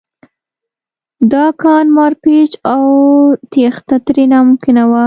دا کان مارپیچ و او تېښته ترې ناممکنه وه